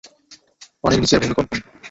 পানির নিচের ভূকম্পন।